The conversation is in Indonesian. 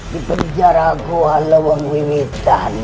di penjara gua lewang winitan